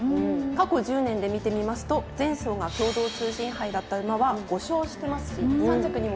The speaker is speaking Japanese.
過去１０年で見てみますと前走が共同通信杯だった馬は５勝してますし３着にも２回きています。